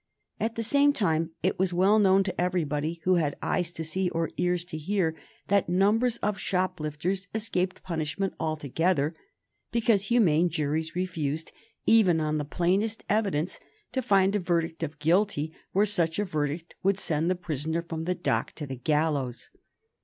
At the same time it was well known to everybody who had eyes to see or ears to hear that numbers of shoplifters escaped punishment altogether because humane juries refused, even on the plainest evidence, to find a verdict of guilty where such a verdict would send the prisoner from the dock to the gallows.